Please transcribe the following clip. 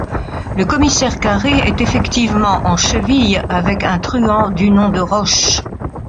Le commissaire Carré est effectivement en cheville avec un truand du nom de Roche.